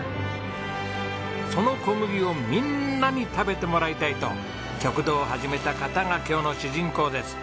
その小麦をみんなに食べてもらいたいと食堂を始めた方が今日の主人公です。